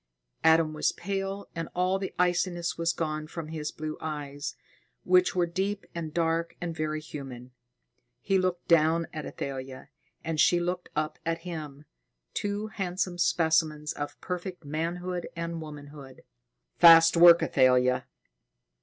Adam was pale, and all the iciness was gone from his blue eyes, which were deep and dark and very human. He looked down at Athalia, and she looked up at him, two handsome specimens of perfect manhood and womanhood. "Fast work, Athalia!"